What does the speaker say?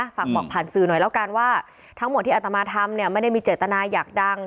ขอบอกผ่านสื่อหน่อยแล้วกันว่าทั้งหมดอัตมาธรรมไม่ได้มีเจตนายอยากดัง